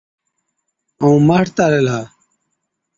ائُون مهٽتا ريهلا۔